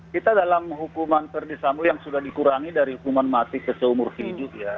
kita dalam hukuman verdi sambo yang sudah dikurangi dari hukuman mati ke seumur hidup ya